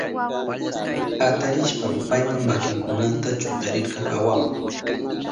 Atarishpan payka makinkunata chutarirka awama.